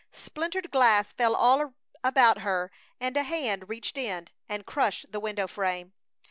Splintered glass fell all about her, and a hand reached in and crushed the window frame.